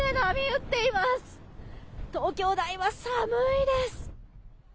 東京・台場、寒いです。